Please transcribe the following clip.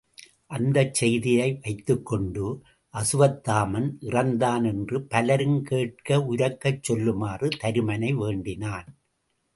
அந்தச் செய்தியை வைத்துக் கொண்டு அசுவத்தாமன் இறந்தான் என்று பலரும் கேட்க உரக்கச் சொல்லுமாறு தருமனை வேண்டினான்.